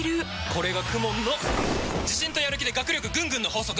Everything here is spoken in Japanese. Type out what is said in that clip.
これがＫＵＭＯＮの自信とやる気で学力ぐんぐんの法則！